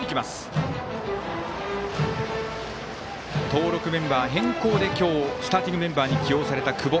登録メンバー変更で今日スターティングメンバーに起用された久保。